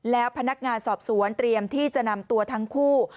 แล้วพนักงานสอบสวนเตรียมที่จะนำตัวทั้งคู่